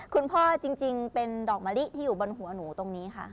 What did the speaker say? คุณพ่อจริงเป็นดอกมะลิที่อยู่บนหัวหนูตรงนี้ค่ะ